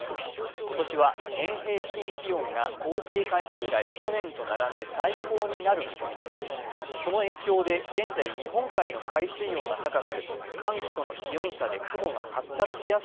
今年は、年平均気温が統計開始以来、去年と並んで最高になる見込みです。